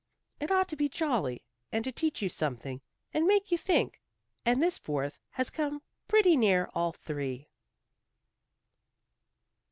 It ought to be jolly, and to teach you something, and make you think. And this Fourth has come pretty near all three."